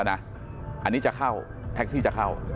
อันนี้จะเข้าแท็กซี่จะเข้า